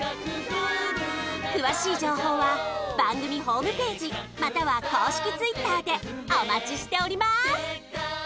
詳しい情報は番組ホームページまたは公式Ｔｗｉｔｔｅｒでお待ちしております！